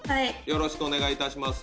よろしくお願いします。